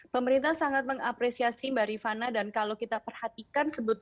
pemerintah sangat mengapresiasi mbak rifana dan kalau kita perhatikan